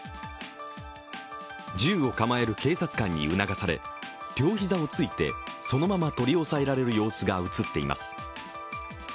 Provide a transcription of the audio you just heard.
銃を構える警察官に促され、両膝をついてそのまま取り押さえられる様子が映っています。